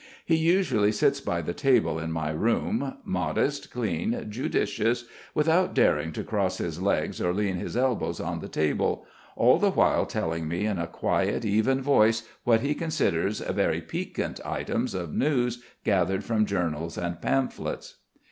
He usually sits by the table in my room, modest, clean, judicious, without daring to cross his legs or lean his elbows on the table, all the while telling me in a quiet, even voice what he considers very piquant items of news gathered from journals and pamphlets.